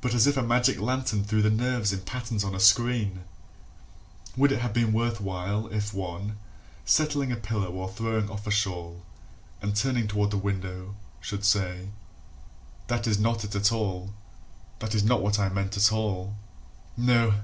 But as if a magic lantern threw the nerves in patterns on a screen: Would it have been worth while If one, settling a pillow or throwing off a shawl, And turning toward the window, should say: "That is not it at all, That is not what I meant, at all." ..... No!